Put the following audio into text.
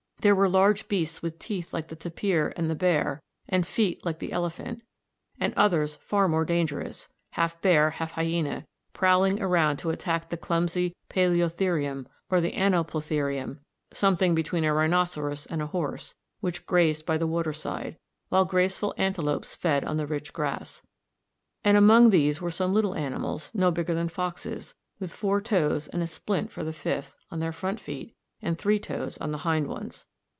There were large beasts with teeth like the tapir and the bear, and feet like the elephant; and others far more dangerous, half bear, half hyæna, prowling around to attack the clumsy paleotherium or the anoplotherium, something between a rhinoceros and a horse, which grazed by the waterside, while graceful antelopes fed on the rich grass. And among these were some little animals no bigger than foxes, with four toes and a splint for the fifth, on their front feet, and three toes on the hind ones.